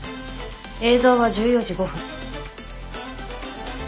映像は１４時５分。